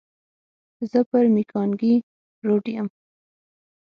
زه پر مېکانګي روډ یم.